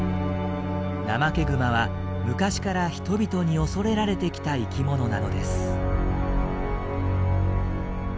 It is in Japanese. ナマケグマは昔から人々に恐れられてきた生きものなのです。